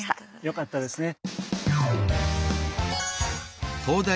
よかったですね。